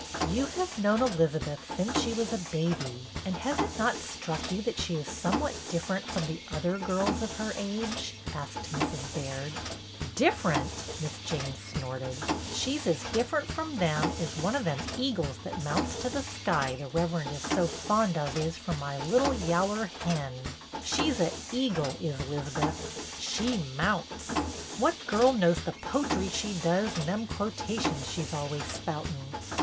"You have known Elizabeth since she was a baby, and has it not struck you that she is somewhat different from the other girls of her age ?" asked Mrs. Baird. " Different !" Miss Jane snorted. " She 's as different from them as one of them eagles that mounts to the sky the Rev'rend is so fond of is from my little yaller hen. She 's a eagle, is 'Lizbeth. She mounts! What girl knows the potry she does and them quotations she 's always spoutin'